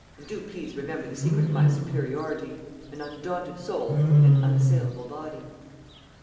And do please remember the secret of my superiority: an undaunted soul in an unassailable body."